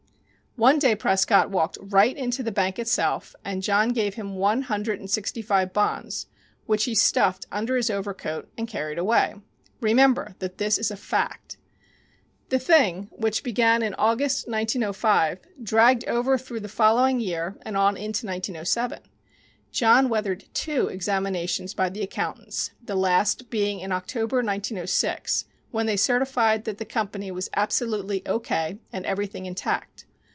One day Prescott walked right into the bank itself and John gave him one hundred and sixty five bonds, which he stuffed under his overcoat and carried away. Remember that this is a fact. The thing, which began in August, 1905, dragged over through the following year and on into 1907. John weathered two examinations by the accountants, the last being in October, 1906, when they certified that the company was absolutely "O.K." and everything intact.